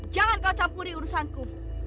jangan kau campuri urusanku